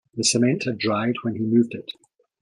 The cement had dried when he moved it.